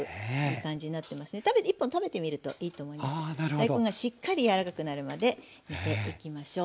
大根がしっかり柔らかくなるまで煮ていきましょう。